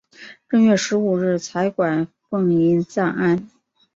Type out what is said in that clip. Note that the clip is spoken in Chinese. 正月十五日彩棺奉移暂安。